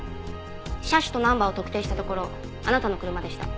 車種とナンバーを特定したところあなたの車でした。